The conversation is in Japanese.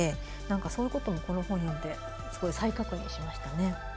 そういうことをこの本を読んで再確認しましたね。